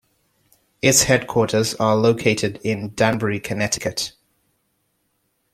Its headquarters are located in Danbury, Connecticut.